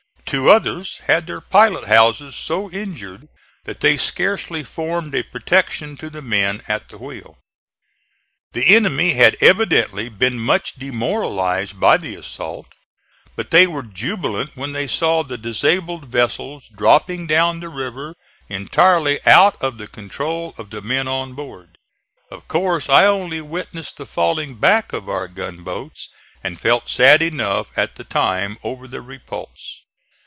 Two others had their pilot houses so injured that they scarcely formed a protection to the men at the wheel. The enemy had evidently been much demoralized by the assault, but they were jubilant when they saw the disabled vessels dropping down the river entirely out of the control of the men on board. Of course I only witnessed the falling back of our gunboats and felt sad enough at the time over the repulse.